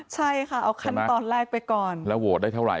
ใช่ค่ะเอาขั้นตอนแรกไปก่อนแล้วโหวตได้เท่าไห